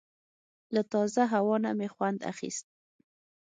له تازه هوا نه مې خوند اخیست.